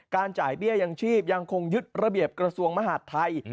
จ่ายเบี้ยยังชีพยังคงยึดระเบียบกระทรวงมหาดไทย